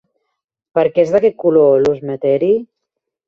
Per què és d'aquest color l'osmeteri?